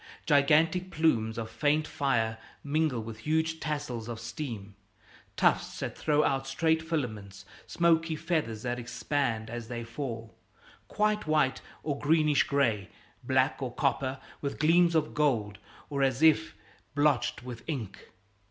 Gigantic plumes of faint fire mingle with huge tassels of steam, tufts that throw out straight filaments, smoky feathers that expand as they fall quite white or greenish gray, black or copper with gleams of gold, or as if blotched with ink.